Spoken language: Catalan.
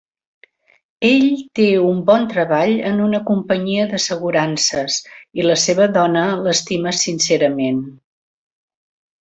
Ell té un bon treball en una companyia d'assegurances i la seva dona l'estima sincerament.